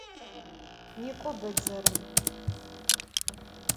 Nêk'o bedzerım!